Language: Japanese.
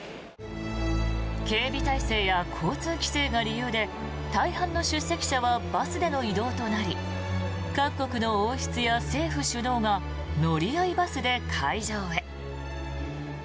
警備態勢や交通規制が理由で大半の出席者はバスでの移動となり各国の王室や政府首脳が乗り合いバスで会場へ。